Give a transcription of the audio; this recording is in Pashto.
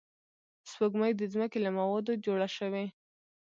سپوږمۍ د ځمکې له موادو جوړه شوې